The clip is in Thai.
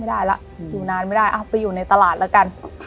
ไม่ได้ล่ะอยู่นานไม่ได้อ่ะไปอยู่ในตลาดละกัน